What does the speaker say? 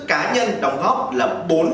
cá nhân đóng góp là